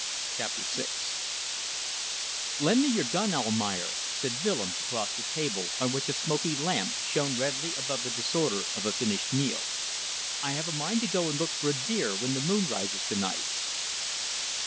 CHAPTER SIX "Lend me your gun, Almayer," said Willems, across the table on which a smoky lamp shone redly above the disorder of a finished meal. "I have a mind to go and look for a deer when the moon rises to night."